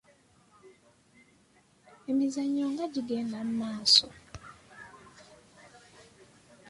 Emizannyo nga gigenda mu maaso.